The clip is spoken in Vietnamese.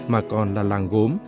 mà còn là làng gốm